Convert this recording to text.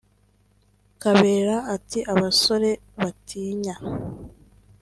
Kabera ati “Abasore batinya